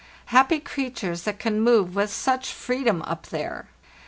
Happy creatures that can move with such freedom up there!